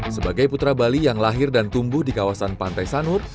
sebagai putra bali yang lahir dan tumbuh di kawasan pantai sanur